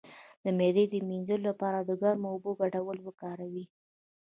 د معدې د مینځلو لپاره د ګرمو اوبو ګډول وکاروئ